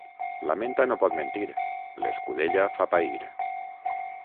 La menta no pot mentir: l'escudella fa pair.